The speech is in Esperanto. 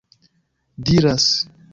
diras